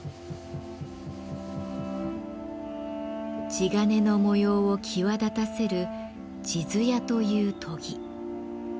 地鉄の模様を際立たせる「地艶」という研ぎ。